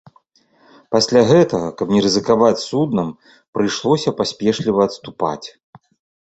Пасля гэтага, каб не рызыкаваць суднам, прыйшлося паспешліва адступаць.